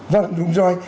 vâng đúng rồi